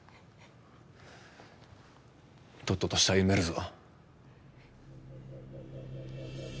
とっとと死体埋めるぞ。